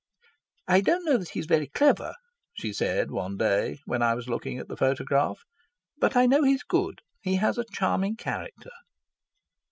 "I don't know that he's very clever," she said one day, when I was looking at the photograph, "but I know he's good. He has a charming character."